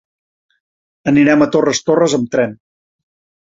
Anirem a Torres Torres amb tren.